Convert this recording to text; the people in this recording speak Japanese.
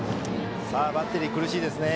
バッテリーは苦しいですね。